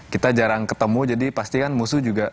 kita jarang ketemu jadi pasti kan musuh juga